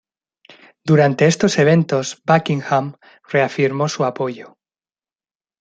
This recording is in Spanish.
Durante estos eventos Buckingham reafirmó su apoyó.